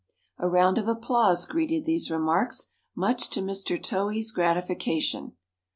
A round of applause greeted these remarks, much to Mr. Towhee's gratification.